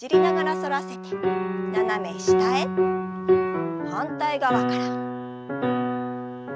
反対側から。